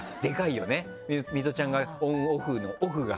ミトちゃんがオンオフの。